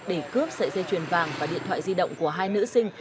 để cướp sợi dây chuyền vàng và điện thoại di động của hai nữ sinh